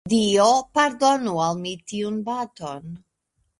Dio pardonu al mi tiun baton!